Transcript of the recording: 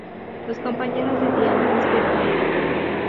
Los compañeros de Diana despiertan poco a poco.